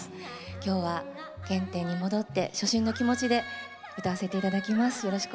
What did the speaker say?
今日は、原点に戻って初心の気持ちで歌わせていただきます。